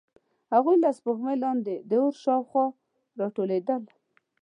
هغوی له سپوږمۍ لاندې د اور شاوخوا راټولېدل.